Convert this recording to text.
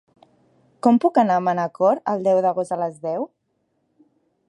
Com puc anar a Manacor el deu d'agost a les deu?